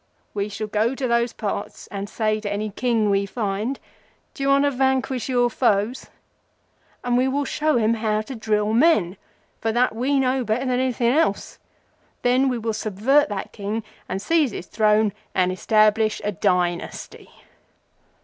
We shall go to those parts and say to any King we find—'D' you want to vanquish your foes?' and we will show him how to drill men; for that we know better than anything else. Then we will subvert that King and seize his Throne and establish a Dy nasty."